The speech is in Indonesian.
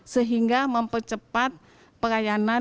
sehingga mempercepat perayanan perawatan pasien